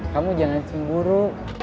kamu jangan cemburu